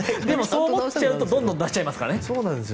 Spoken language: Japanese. そう思っちゃうとどんどん出しちゃいますからね。